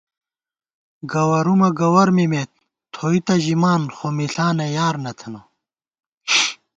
گوَرُومہ گوَر مِمېت تھوئی تہ ژِمان خو مِݪانہ یار نہ تھنہ